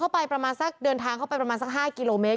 พอเดินทางเข้าไปประมาณสัก๕กิโลเมตร